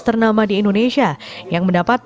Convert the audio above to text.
ternama di indonesia yang mendapat